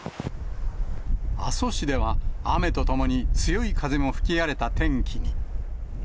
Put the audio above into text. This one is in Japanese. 阿蘇市では、雨とともに強い風も吹き荒れた天気に。